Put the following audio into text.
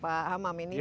pak hamam ini